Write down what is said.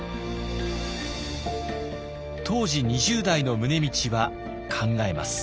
当時２０代の宗理は考えます。